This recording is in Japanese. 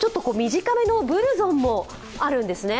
短めのブルゾンもあるんですね。